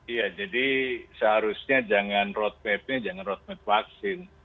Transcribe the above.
iya jadi seharusnya jangan road map nya jangan road map vaksin